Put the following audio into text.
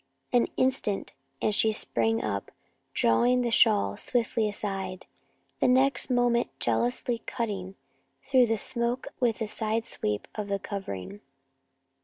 An instant and she sprang up, drawing the shawl swiftly aside, the next moment jealously cutting through the smoke with a side sweep of the covering.